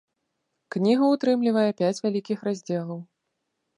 Кніга ўтрымлівае пяць вялікіх раздзелаў.